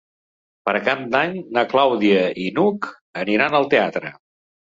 Per Cap d'Any na Clàudia i n'Hug aniran al teatre.